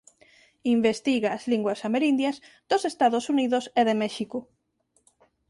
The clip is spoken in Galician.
Investiga as linguas amerindias dos Estados Unidos e de México.